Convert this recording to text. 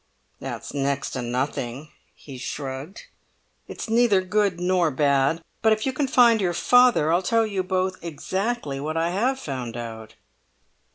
"That's next to nothing," he shrugged. "It's neither good nor bad. But if you can find your father I'll tell you both exactly what I have found out."